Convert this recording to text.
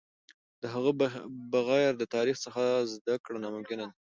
د هغه بغیر د تاریخ څخه زده کړه ناممکن ده.